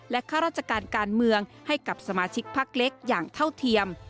ข้าราชการการเมืองให้กับสมาชิกพักเล็กอย่างเท่าเทียม